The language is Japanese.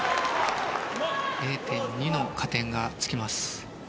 ０．２の加点がつきます。